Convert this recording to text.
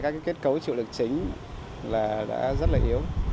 các kết cấu chịu lực chính là đã rất là yếu